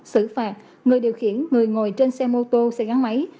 xử phạt người điều khiển người ngồi trên xe mô tô xe gắn máy